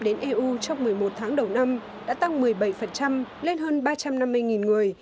đến eu trong một mươi một tháng đầu năm đã tăng một mươi bảy lên hơn ba trăm năm mươi người